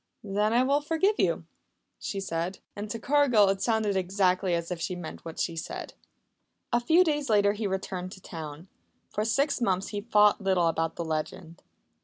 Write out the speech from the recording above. "Then I will forgive you," she said. And to Cargill it sounded exactly as if she meant what she said. A few days later he returned to town. For six months he thought little about the legend.